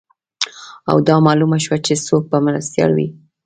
او دا معلومه شوه چې څوک به مرستیال وي